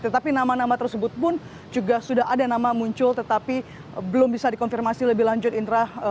tetapi nama nama tersebut pun juga sudah ada nama muncul tetapi belum bisa dikonfirmasi lebih lanjut indra